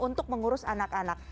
nah ini harus naik